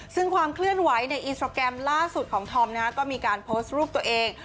ซึ่งความเคลื่อนไหวในอินสตราแกรมล่าสุดของธอมก็มีการโพสต์รูปตัวเอง